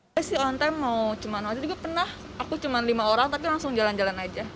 saya sih on time mau cuman waktu itu juga pernah aku cuman lima orang tapi langsung jalan jalan aja